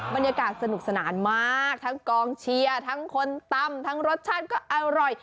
บรรยากาศสนุกสนานมากทั้งกองเชียร์ทั้งคนตำทั้งรสชาติก็อร่อย